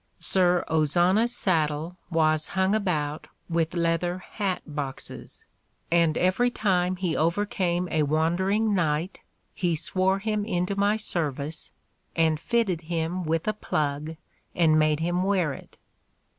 '' Sir Ozana 's saddle was hung about with leather hat boxes, and every time he over came a wandering knight he swore him into my service, and fitted him with a plug and made him wear it."